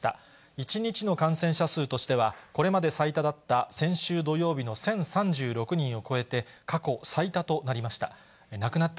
１日の感染者数としては、これまで最多だった先週土曜日の１０３６人を超えて過去最多となりました。